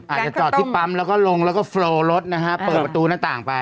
จอดที่ปั๊มแล้วก็ลงแล้วก็โฟลรถนะฮะเปิดประตูหน้าต่างไป